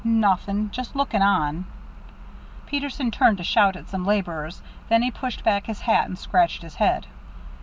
"Nothing. Just looking on." Peterson turned to shout at some laborers, then he pushed back his hat and scratched his head.